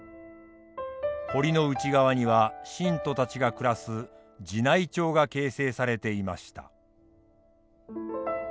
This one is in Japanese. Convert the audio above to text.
堀の内側には信徒たちが暮らす寺内町が形成されていました。